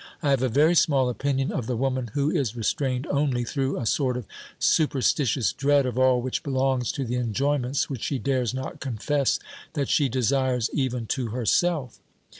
I have a very small opinion of the woman who is restrained only through a sort of superstitious dread of all which belongs to the enjoyments which she dares not confess that she desires even to herself.